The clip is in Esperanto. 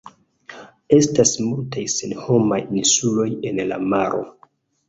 Estas multaj senhomaj insuloj en la maro.